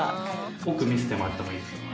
奥見せてもらってもいいですか？